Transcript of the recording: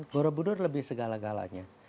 borobudur lebih segala galanya